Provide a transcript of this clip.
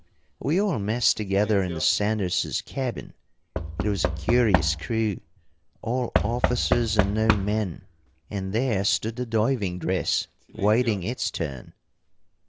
We all messed together in the Sanderses' cabin it was a curious crew, all officers and no men and there stood the diving dress waiting its turn.